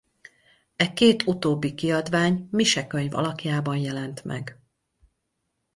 E két utóbbi kiadvány misekönyv alakjában jelent meg.